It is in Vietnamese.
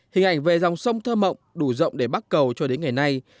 hình ảnh về dòng sông thơ mộng đủ rộng để bắt cầu cho đến ngày nay